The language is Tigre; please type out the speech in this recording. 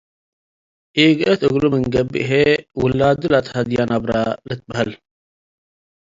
ኢገብአት እግሉ ምን ገብእ ህይ ውላዱ ለአትሀድየ ነብረ ልትበሀል ።